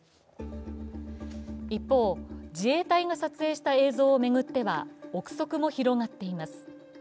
一方、自衛隊が撮影した映像を巡っては臆測も広がっています。